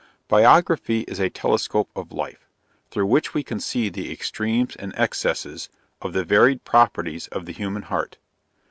Biography is a telescope of life, through which we can see the extremes and excesses of the varied properties of the human heart.